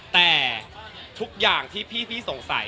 แต่ทุกอย่างที่พี่สงสัย